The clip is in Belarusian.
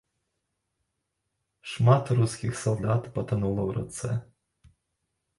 Шмат рускіх салдат патанула ў рацэ.